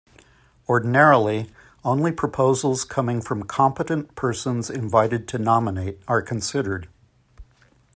Ordinarily, only proposals coming from competent persons invited to nominate are considered.